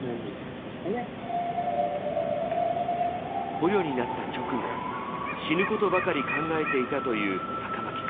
捕虜になった直後死ぬことばかり考えていたという酒巻さん。